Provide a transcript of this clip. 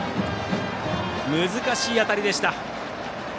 難しい当たりでした。